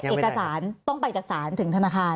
เอกสารต้องไปจากศาลถึงธนาคาร